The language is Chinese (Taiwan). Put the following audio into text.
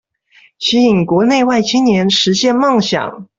吸引國內外青年實現夢想